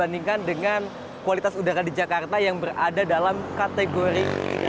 jauh lebih baik jika dibandingkan dengan kualitas udara di jakarta yang berada dalam kategori tiga